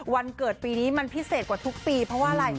วันเกิดปีนี้มันพิเศษกว่าทุกปีเพราะว่าอะไร